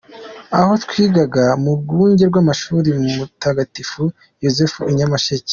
Aho twigaga mu Rwunge rw’Amashuri rwa Mutagatifu Yozefu i Nyamasheke.